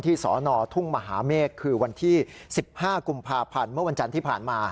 สนทุ่งมหาเมฆคือวันที่๑๕กุมภาพันธ์เมื่อวันจันทร์ที่ผ่านมา